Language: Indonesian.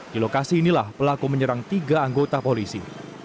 di lokasi inilah pelaku menyerang tiga anggota polisi